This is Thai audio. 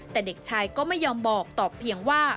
แต่เด็กชายก็ไม่ยอมบอกตอบเพียงว่า